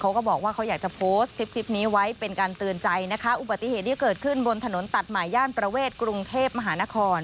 เขาก็บอกว่าเขาอยากจะโพสต์คลิปนี้ไว้เป็นการเตือนใจนะคะ